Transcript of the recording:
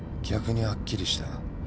逆にはっきりした。